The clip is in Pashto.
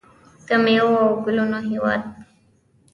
د میوو او ګلونو هیواد.